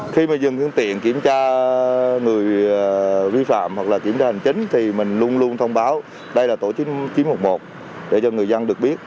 khi mà dừng phương tiện kiểm tra người vi phạm hoặc là kiểm tra hành chính thì mình luôn luôn thông báo đây là tổ chính chín trăm một mươi một để cho người dân được biết